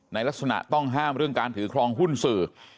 ในลักษณะต้องห้ามเรื่องการถือครองหุ้นสื่อ